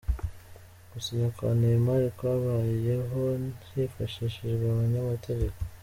Gusinya kwa Neymar kwabayeho hifashishijwe abanyamategeko.